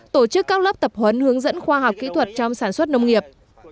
tổ chức các lớp tập huấn hướng dẫn khoa học kỹ thuật trong sản xuất nông nghiệp